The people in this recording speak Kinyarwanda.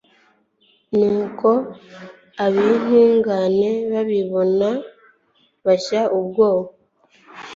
Nuko ab’intungane nibabibona bashye ubwoba